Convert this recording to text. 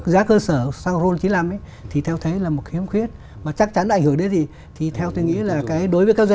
giá xăng dầu